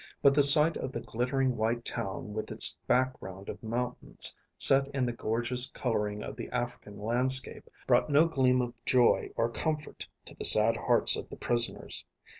But the sight of the glittering white town with its background of mountains, set in the gorgeous coloring of the African landscape, brought no gleam of joy or comfort to the sad hearts of the prisoners.